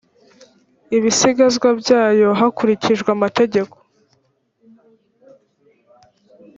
ibisigazwa byayo hakurikijwe amategeko